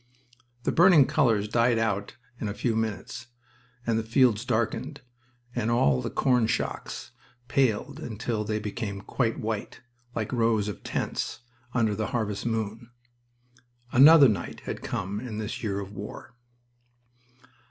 The burning colors died out in a few minutes, and the fields darkened, and all the corn shocks paled until they became quite white, like rows of tents, under the harvest moon. Another night had come in this year of war.